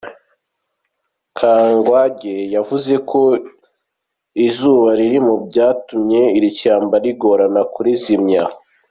Kangwagye yavuze ko izuba riri mu byatumye iri shyamba bigorana kurizimya.